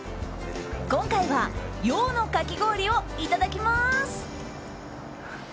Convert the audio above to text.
今回は洋のかき氷をいただきます！